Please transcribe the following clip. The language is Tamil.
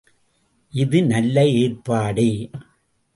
இது நல்ல ஏற்பாடே.